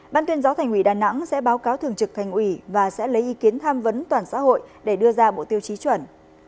ban tuyên giáo thành ủy đà nẵng sẽ báo cáo thường trực thành ủy và sẽ lấy ý kiến tham vấn toàn xã hội để đưa ra bộ tiêu chí chuẩn